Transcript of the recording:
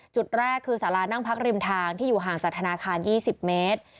จุดแรกคือสารานั่งพักริมทางที่อยู่ห่างจากธนาคาร๒๐เมตร